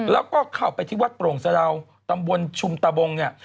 แล้วก็เข้าไปที่วัดโปร่งสะดาวตำบลชุมตะบงเนี่ย